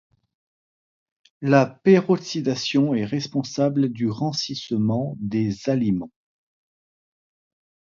La peroxydation est responsable du rancissement des aliments.